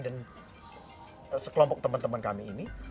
dan sekelompok teman teman kami ini